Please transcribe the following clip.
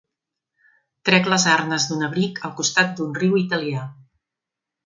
Trec les arnes d'un abric al costat d'un riu italià.